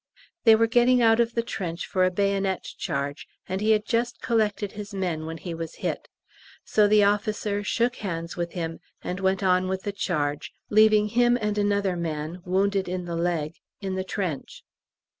They were getting out of the trench for a bayonet charge, and he had just collected his men when he was hit; so the officer "shook hands with him" and went on with the charge, leaving him and another man, wounded in the leg, in the trench.